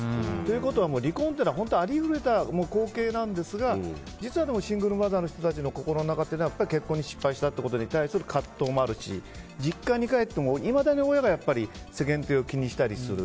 ということは離婚は本当にありふれた光景なんですが実はでも、シングルマザーの方の心の中は結婚に失敗したということに対する葛藤もあるし実家に帰っても、いまだに親が世間体を気にしたりする。